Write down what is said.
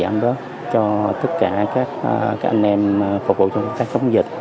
giảm đớt cho tất cả các anh em phục vụ trong công tác chống dịch